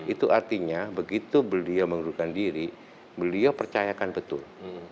itu artinya begitu beliau mengundurkan diri beliau percayakan betul